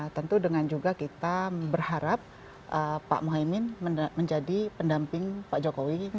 tentu dengan juga kita berharap pak muhaymin menjadi pendamping pak jokowi